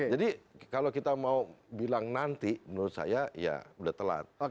kalau kita mau bilang nanti menurut saya ya udah telat